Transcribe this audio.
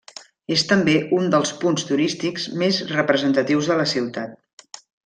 És també un dels punts turístics més representatius de la ciutat.